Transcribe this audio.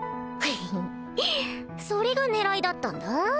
それが狙いだったんだ